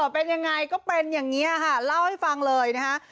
เป็นยังไงก็เป็นอย่างนี้ค่ะเล่าให้ฟังเลยนะคะ